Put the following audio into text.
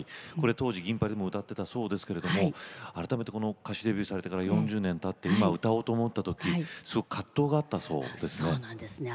当時、銀巴里でも歌っていたそうですが改めて歌手デビューされてから４０年たって歌おうとするときに葛藤があったそうですね。